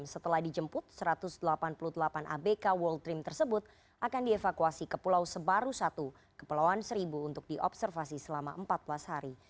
setelah dijemput satu ratus delapan puluh delapan abk world dream tersebut akan dievakuasi ke pulau sebaru satu kepulauan seribu untuk diobservasi selama empat belas hari